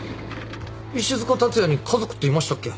石塚辰也に家族っていましたっけ？